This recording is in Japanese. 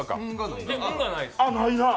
あ、ないな、